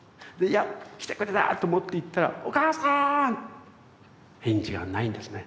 来てくれたと思って行ったら「お母さん！」返事がないんですね。